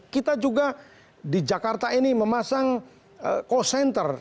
kita juga di jakarta ini memasang call center